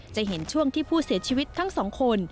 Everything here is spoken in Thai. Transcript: จะเห็นช่วงที่ผู้เสียชีวิตทั้งสองคน